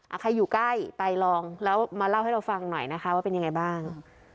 ใครอยู่ใกล้ไปลองแล้วมาเล่าให้เราฟังหน่อยนะคะว่าเป็นยังไงบ้าง